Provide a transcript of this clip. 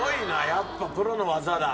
やっぱプロの技だ。